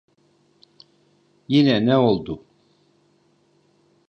Yine ne oldu?